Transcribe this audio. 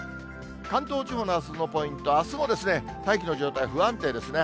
関東地方のあすのポイント、あすも大気の状態不安定ですね。